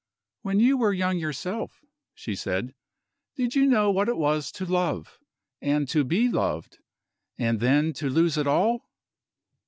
"When you were young yourself," she said, "did you know what it was to love, and to be loved and then to lose it all?"